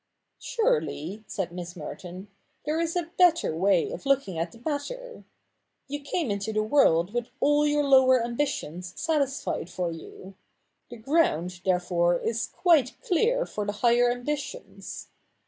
' Surely,' said Miss Merton, ' there is a better way of looking at the matter. You came into the world with all your lower ambitions satisfied for you. The ground therefore is quite clear for the higher ambitions.